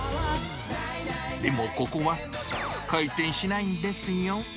でもここは回転しないんですよ。